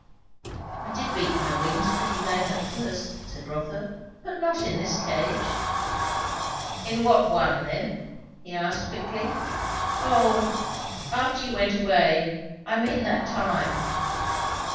"I did beat my wings pretty lame at first," said Rotha; "but not in this cage." "In what one then?" he asked quickly. "Oh after you went away. I mean that time."